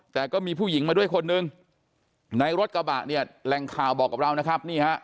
แต่ก็มีผู้หญิงมาด้วยคนนึงในรถกระบะเนี่ยแหล่งข่าวบอกกับเรานะครับนี่ฮะ